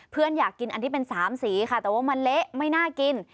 เพื่อนอยากกินอันที่เป็นสามสีแต่ว่ามันเละไม่น่ากิน